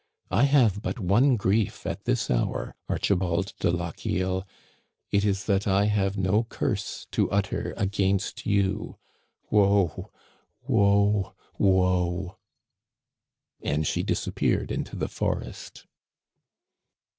I have but one grief at this hour, Archibald de Lochiel, it is that I have no curse to utter against you. Woe ! Woe ! Woe !" And she disappeared into the forest.